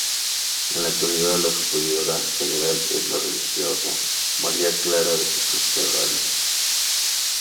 En la actualidad la superiora general es la religiosa María Clara de Jesús Ferrari.